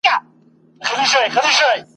غلیم تر نورو د خپل ضمیر وي ..